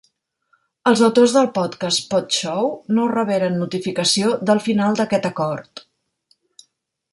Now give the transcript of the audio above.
Els autors del podcast Podshow no reberen notificació del final d'aquest acord.